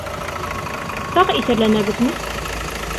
Тағы иҫәрләнәбеҙме?